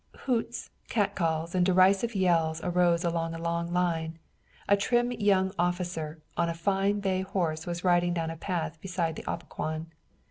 Hoots, cat calls, and derisive yells arose along a long line. A trim young officer on a fine bay horse was riding down a path beside the Opequon.